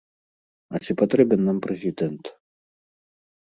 А ці патрэбен нам прэзідэнт?